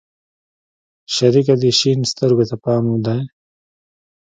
شريکه دې شين سترگو ته پام دى؟